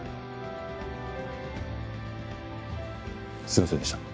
すいませんでした。